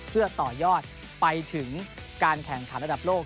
เพื่อต่อยอดไปถึงการแข่งขันระดับโลก